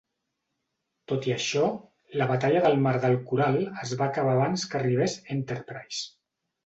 Tot i això, la batalla del Mar de Coral es va acabar abans que arribés "Enterprise".